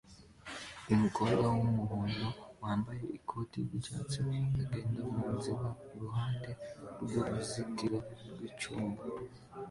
Umukobwa wumuhondo wambaye ikoti ryicyatsi agenda munzira iruhande rwuruzitiro rwicyuma